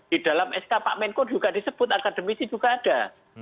di dalam sk pak menko juga disebut akademisi juga ada